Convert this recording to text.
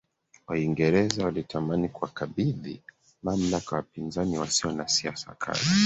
Waingereza walitamani kuwakabidhi mamlaka wapinzani wasio na siasa kali